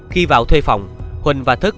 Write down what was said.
khi vào thuê phòng huỳnh và thức